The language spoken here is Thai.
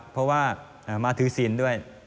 เพราะว่ามาถือศีลด้วย